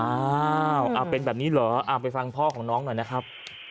อ้าวเป็นแบบนี้เหรอไปฟังพ่อของน้องหน่อยนะครับ